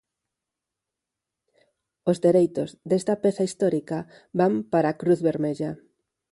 Os dereitos desta peza histórica van para a Cruz Vermella.